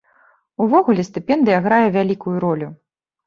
Увогуле стыпендыя грае вялікую ролю.